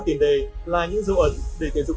tiền đề là những dấu ẩn để thể dục